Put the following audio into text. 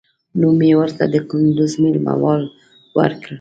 نوم مې ورته د کندوز مېله وال ورکړ.